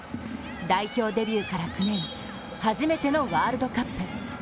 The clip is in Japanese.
代表デビューから９年、初めてのワールドカップ。